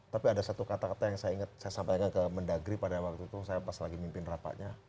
tapi ada satu kata kata yang saya ingat saya sampaikan ke mendagri pada waktu itu saya pas lagi mimpin rapatnya